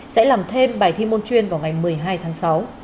sẽ làm thêm bài thi môn chuyên vào ngày một mươi hai tháng sáu